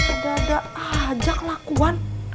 ada ada ajak lakuan